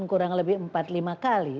kurang lebih empat lima kali